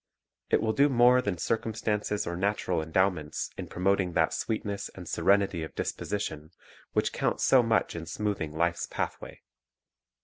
It will do more than circumstances or natural endowments in promoting that sweetness and serenity of disposition which count so much in smoothing life's pathway.